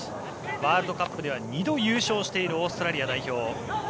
ワールドカップでは２度優勝しているオーストラリア代表。